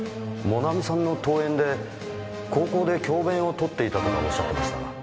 モナミさんの遠縁で高校で教鞭を執っていたとかおっしゃってましたが。